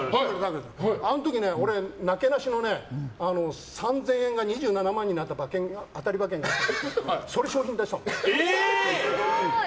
あの時、なけなしの３０００円が２７万円になった当たり馬券があってそれを賞品に出したの。